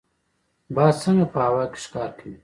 باز څنګه په هوا کې ښکار کوي؟